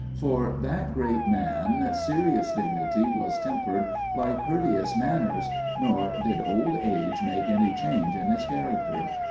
For that great man's serious dignity was tempered by courteous manners, nor had old age made any change in his character.